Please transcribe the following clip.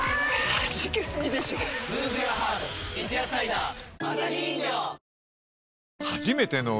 はじけすぎでしょ『三ツ矢サイダー』あ！